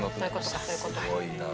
すごいなあ。